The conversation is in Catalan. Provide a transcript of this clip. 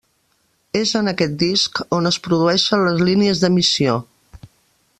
És aquest disc on es produeixen les línies d'emissió.